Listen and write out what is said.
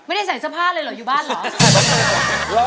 ไม่ได้ใส่สะพานเลยหรอกอยู่บ้านหรอก